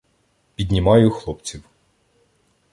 Піднімаю хлопців.